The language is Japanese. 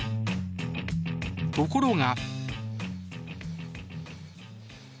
ところが。